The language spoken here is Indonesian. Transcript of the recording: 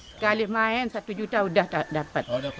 sekali main satu juta udah dapat